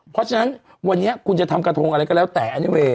เพราะฉะนั้นวันนี้คุณจะทำกระทงอะไรก็แล้วแต่